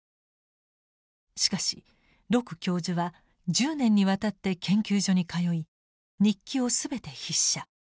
しかし鹿教授は１０年にわたって研究所に通い日記を全て筆写。